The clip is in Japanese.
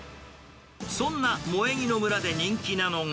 そんな萌木の村で人気なのが。